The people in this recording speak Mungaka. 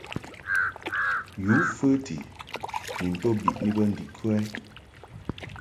Yǔ fəti ni nto biʼni bə ndikə ɛ ?